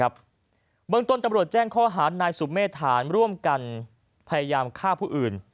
เบื้องต้นตำรวจแจ้งข้อหารนายสุเมษฐานร่วมกันพยายามฆ่าผู้อื่น